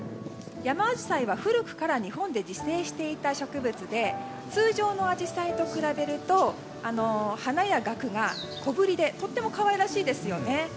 ヤマアジサイは古くから日本で自生していた植物で通常のアジサイと比べると花や、がくが小ぶりでとても可愛らしいですよね。